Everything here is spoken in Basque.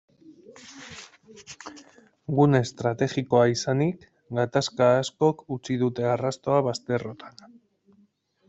Gune estrategikoa izanik, gatazka askok utzi dute arrastoa bazterrotan.